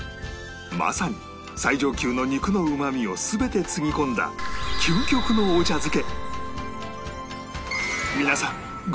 まさに最上級の肉のうまみを全てつぎ込んだ究極のお茶漬け